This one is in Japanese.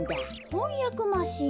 ほんやくマシーン？